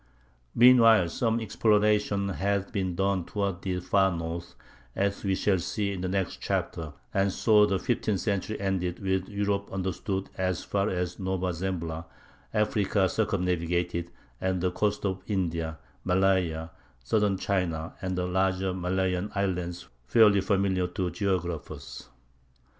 Meanwhile some exploration had been done toward the far north, as we shall see in the next chapter; and so the fifteenth century ended, with Europe understood as far as Nova Zembla, Africa circumnavigated, and the coasts of India, Malaya, southern China, and the larger Malayan islands fairly familiar to geographers.